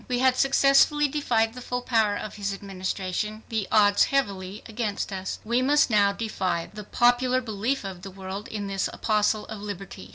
We had successfully defied the full power of his Administration, the odds heavily against us. We must now defy the popular belief of the world in this apostle of liberty.